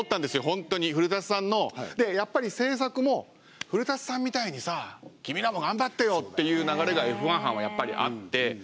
本当に古さんのでやっぱり制作も「古さんみたいにさ君らも頑張ってよ」っていう流れがＦ１班はやっぱりあって。